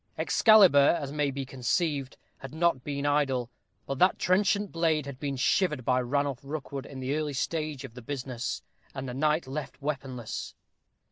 Excalibur, as may be conceived, had not been idle; but that trenchant blade had been shivered by Ranulph Rookwood in the early stage of the business, and the knight left weaponless.